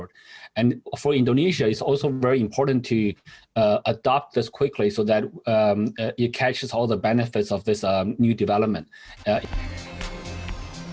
dan untuk indonesia sangat penting untuk mengadopsi ini dengan cepat agar bisa mencapai semua manfaat ini